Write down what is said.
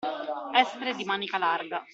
Essere di manica larga.